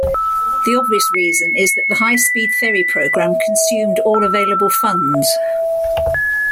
The obvious reason is that the high speed ferry program consumed all available funds.